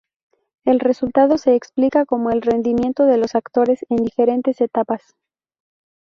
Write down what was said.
El resultado se explica como el rendimiento de los actores en diferentes etapas.